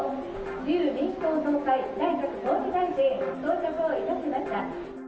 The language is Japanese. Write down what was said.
自由民主党総裁、内閣総理大臣、到着をいたしました。